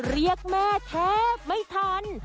เรียกแม่แทบไม่ทัน